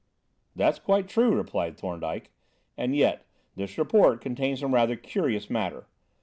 "That's quite true," replied Thorndyke; "and yet, this report contains some rather curious matter.